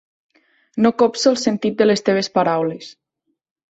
No copso el sentit de les teves paraules.